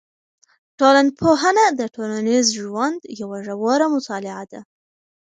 ټولنپوهنه د ټولنیز ژوند یوه ژوره مطالعه ده.